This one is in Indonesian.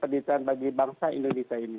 pendidikan bagi bangsa indonesia ini